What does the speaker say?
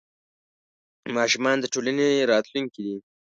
ماشومان د ټولنې راتلونکې دي.